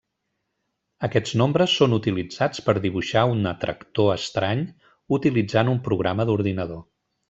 Aquests nombres són utilitzats per dibuixar un atractor estrany utilitzant un programa d'ordinador.